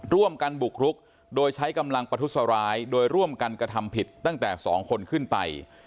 ร่วมกันบุกรุกโดยใช้กำลังประทุษร้ายโดยร่วมกันกระทำผิดตั้งแต่๒คนขึ้นไป